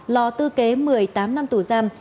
lò tư kế một mươi tám năm tù giam